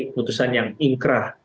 putusan yang inkrah